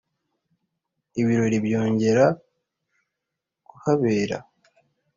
ibirori byongera kuhabera